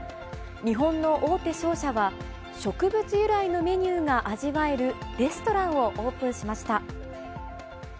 日本の大手商社は植物由来のメニューが味わえるレストランをオープンしました。